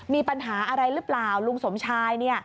มีปัญหาอะไรหรือเปล่าลุงสมชาย